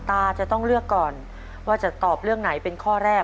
ตาจะต้องเลือกก่อนว่าจะตอบเรื่องไหนเป็นข้อแรก